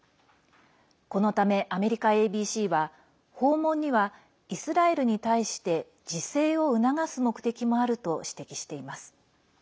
このためアメリカＡＢＣは訪問にはイスラエルに対して自制を促す目的もあると指摘しています。